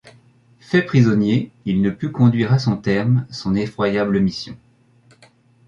Fait prisonnier, il ne put conduire à son terme son effroyable mission.